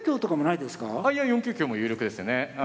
いや４九香も有力ですよね。